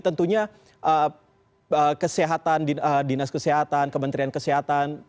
tentunya kesehatan dinas kesehatan kementerian kesehatan